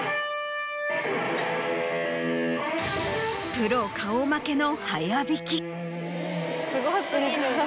プロ顔負けの。